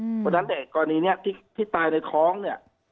เพราะฉะนั้นเด็กก่อนนี้เนี่ยที่ที่ตายในคล้องเนี่ย